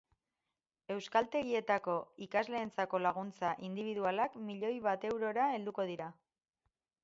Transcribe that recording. Euskaltegietako ikasleentzako laguntza indibidualak milioi bat eurora helduko dira.